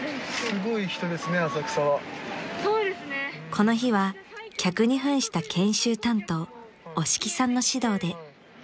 ［この日は客に扮した研修担当押木さんの指導で］